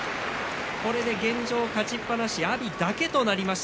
これで現状勝ちっぱなし阿炎だけとなりました。